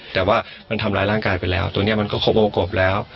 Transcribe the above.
แต่ว่ามันทำร้ายร่างกายไปแล้วตัวนี้มันก็ครบวงกบแล้ว